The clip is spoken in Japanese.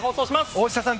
大下さん